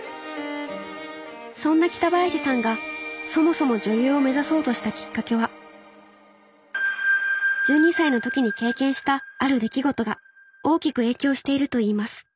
そんな北林さんがそもそも女優を目指そうとしたきっかけは１２歳の時に経験したある出来事が大きく影響しているといいます。